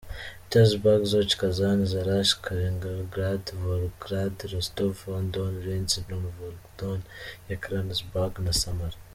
Petersburg, Sochi, Kazan, Saransk, Kaliningrad, Volgograd, Rostov-on-Don, Nizhny Novgorod, Yekaterinburg na Samara.